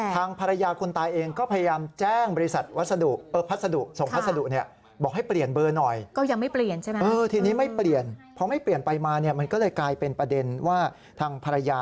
ทางภรรยาคนตายเองก็พยายามแต้งภัสดุส่งภัสดุเนี่ย